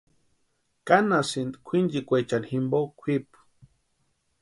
Kanhasïnti kwʼinchikwechani jimpo kwʼipu.